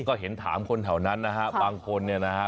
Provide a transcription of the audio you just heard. ก็เห็นถามคนแถวนั้นนะฮะบางคนเนี่ยนะฮะ